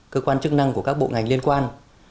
cơ quan chức năng của các bộ ngành liên quan